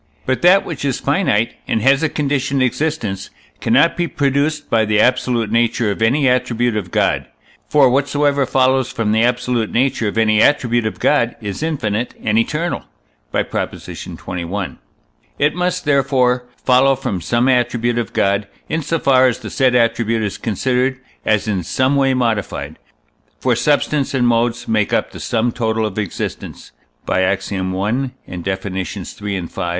But that which is finite, and has a conditioned existence, cannot be produced by the absolute nature of any attribute of God; for whatsoever follows from the absolute nature of any attribute of God is infinite and eternal (by Prop. xxi.). It must, therefore, follow from some attribute of God, in so far as the said attribute is considered as in some way modified; for substance and modes make up the sum total of existence (by Ax. i. and Def. iii., v.)